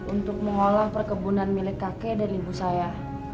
untuk mengolah perkebunan milik kakek dan ibu saya